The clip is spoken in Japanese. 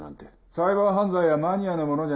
サイバー犯罪はマニアのものじゃない。